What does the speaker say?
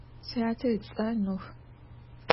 Syate ıts'er Nuh.